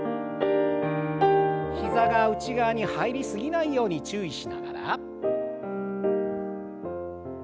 膝が内側に入り過ぎないように注意しながら。